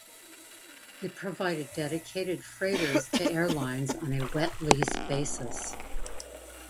It provided dedicated freighters to airlines on a wet lease basis.